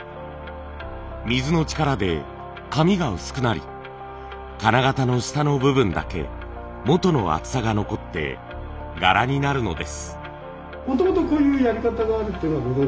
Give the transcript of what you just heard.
水の力で紙が薄くなり金型の下の部分だけ元の厚さが残って柄になるのです。